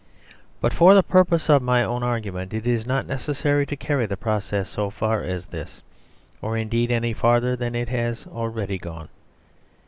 But for the purpose of my own argument it is not necessary to carry the process so far as this, or indeed any farther than it has already gone.